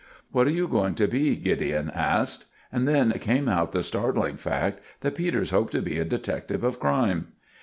"What are you going to be?" Gideon asked; and then came out the startling fact that Peters hoped to be a detective of crime.